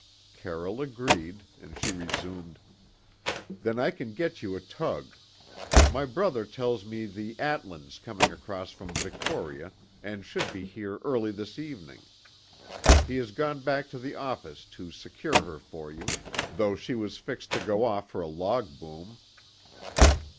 Carroll agreed, and she resumed: "Then I can get you a tug. My brother tells me the Atlin's coming across from Victoria and should be here early this evening. He has gone back to the office to secure her for you, though she was fixed to go off for a log boom."